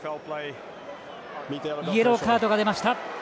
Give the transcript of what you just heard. イエローカードが出ました。